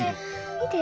みて。